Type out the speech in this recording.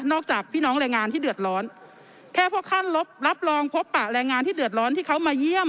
จากพี่น้องแรงงานที่เดือดร้อนแค่พวกขั้นลบรับรองพบปะแรงงานที่เดือดร้อนที่เขามาเยี่ยม